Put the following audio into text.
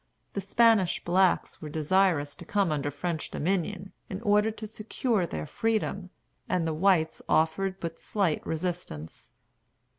The Spanish blacks were desirous to come under French dominion, in order to secure their freedom, and the whites offered but slight resistance.